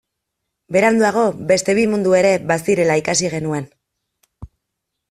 Beranduago beste bi mundu ere bazirela ikasi genuen.